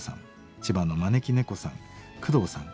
千葉の招き猫さんクドウさん